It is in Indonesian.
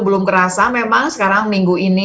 belum kerasa memang sekarang minggu ini